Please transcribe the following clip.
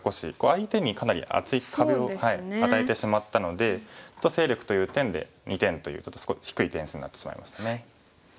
相手にかなり厚い壁を与えてしまったので勢力という点で２点という低い点数になってしまいましたね。